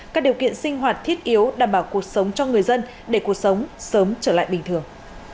các điều kiện sinh hoạt thiết yếu đảm bảo cuộc sống cho người dân để cuộc sống sớm trở lại bình thường